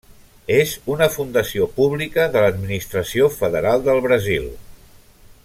És una fundació pública de l'administració federal del Brasil.